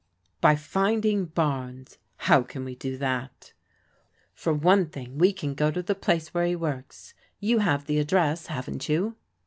" By finding Barnes." " How can we do that? "" For one thing we can go to the place where he works. You have the address, haven't you